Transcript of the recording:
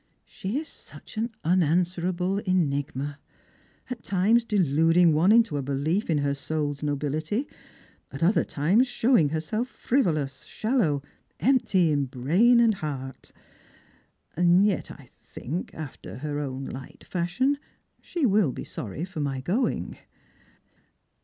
She is such an unanswerable enigma. At times deluding one into a belief in her soul's nobility — at other times showing herself frivolous, shallow, empty in brain and heart. Yet I think— after her own light fashion — she will be sorry for my going."